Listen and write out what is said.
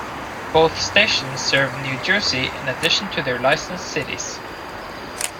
Both stations serve New Jersey in addition to their licensed cities.